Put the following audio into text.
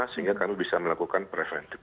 sehingga kami bisa melakukan preventif